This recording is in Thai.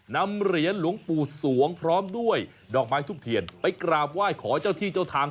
นำเหรียญหลวงปู่สวงพร้อมด้วยดอกไม้ทุบเทียนไปกราบไหว้ขอเจ้าที่เจ้าทาง